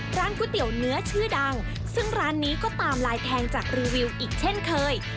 ร้านก๋วยเตี๋ยวเนื้อชื่อดังซึ่งร้านนี้ก็ตามลายแทงจากรีวิวอีกเช่นเคย